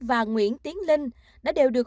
và nguyễn tiến linh đã đều được